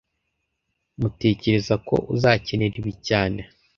Tmutekereza ko uzakenera ibi cyane